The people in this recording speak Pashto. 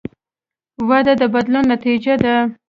وده د بدلون نتیجه ده.